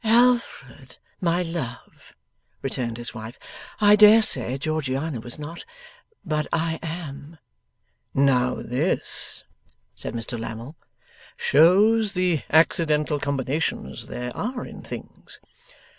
'Alfred, my love,' returned his wife, 'I dare say Georgiana was not, but I am.' 'Now this,' said Mr Lammle, 'shows the accidental combinations that there are in things!